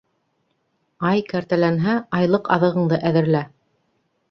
Ай кәртәләнһә, айлыҡ аҙығыңды әҙерлә